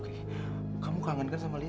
kamu kangen kan sama lia